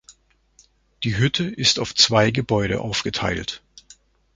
Die Hütte ist auf zwei Gebäude aufgeteilt.